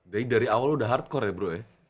jadi dari awal udah hardcore ya bro ya